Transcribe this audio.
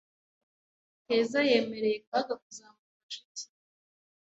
Keza yemereye Kaga kuzamufasha iki